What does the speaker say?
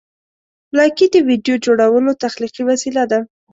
لایکي د ویډیو جوړولو تخلیقي وسیله ده.